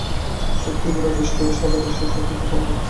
শক্তির গোড়ায় নিষ্ঠুরের সাধনা, শেষে হয়তো ক্ষমা।